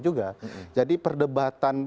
juga jadi perdebatan